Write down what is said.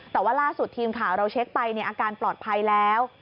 แต่ว่าล่าสุดทีมข่าวเราเช็คไปอาการปลอดภัยแล้ว